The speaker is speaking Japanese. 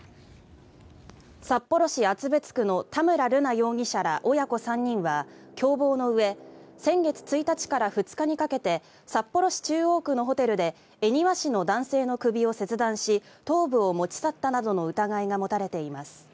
札幌市厚別区の田村瑠奈容疑者ら親子３人は共謀のうえ先月１日から２日にかけて札幌市中央区のホテルで恵庭市の男性の首を切断し頭部を持ち去ったなどの疑いが持たれています。